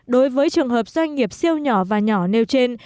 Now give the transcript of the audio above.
đối với trường hợp doanh nghiệp siêu nhỏ và nhỏ nêu trên